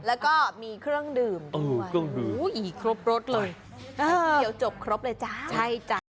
แล้วก็มีเครื่องดื่มด้วยครบรสเลยเดี๋ยวจบครบเลยจ้า